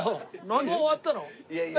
もう終わったの？